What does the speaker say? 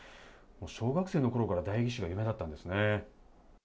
小学生の頃から代議士が夢だったんですね。